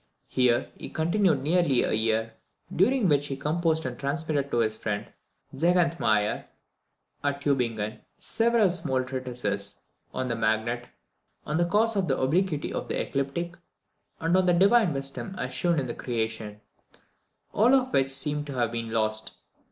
Here he continued nearly a year, during which he composed and transmitted to his friend Zehentmaier, at Tubingen, several small treatises, "On the Magnet," "On the cause of the Obliquity of the Ecliptic," and "On the Divine Wisdom, as shewn in the Creation" all of which seem to have been lost.